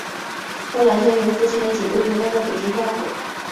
后来交由父亲的警卫员带到北京照顾。